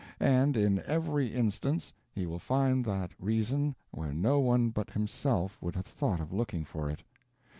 And in every instance he will find that reason where no one but himself would have thought of looking for it.